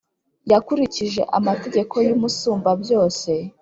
Yakurikije amategeko y’Umusumbabyose,